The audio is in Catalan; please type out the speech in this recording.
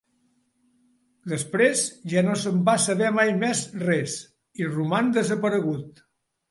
Després ja no se'n va saber mai més res, i roman desaparegut.